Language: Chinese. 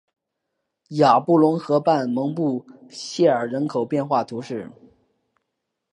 雅布龙河畔蒙布谢尔人口变化图示